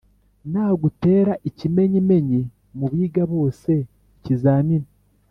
Nagutera ikimenyimenyi mu biga bose-Ikizamini.